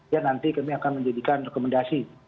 ya nanti kami akan menjadikan rekomendasi